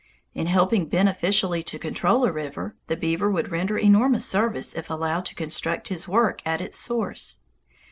In helping beneficially to control a river, the beaver would render enormous service if allowed to construct his works at its source.